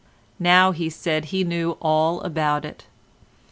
Now, he said he knew all about it.